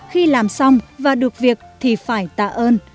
khi làm xong và được việc thì phải tạ ơn